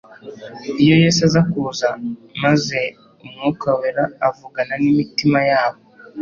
Iyo Yesu aza kuza, maze Umwuka Wera avugana n'imitima yabo